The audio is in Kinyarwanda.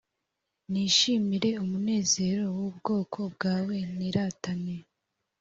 nishimire umunezero w ubwoko bwawe niratane